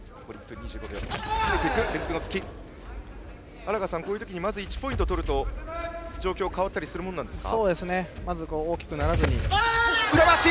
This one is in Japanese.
荒賀さん、まず１ポイント取ると状況が変わったりするものですか。